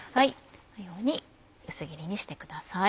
このように薄切りにしてください。